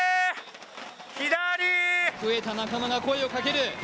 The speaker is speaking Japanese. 増えた仲間が声をかける。